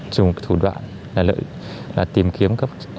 dùng thủ đoạn là tìm kiếm